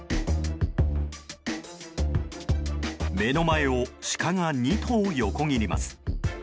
目の前をシカが２頭横切ります。